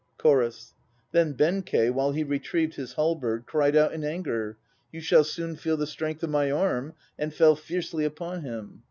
CHORUS. Then Benkei while he retrieved his halberd Cried out in anger, "You shall soon feel the strength of my arm," and fell fiercely upon him.